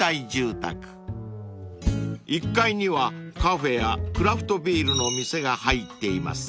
［１階にはカフェやクラフトビールの店が入っています］